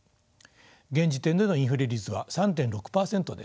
現時点でのインフレ率は３．６％です。